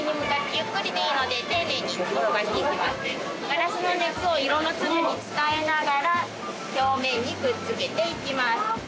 ガラスの熱を色の粒に伝えながら表面にくっつけていきます。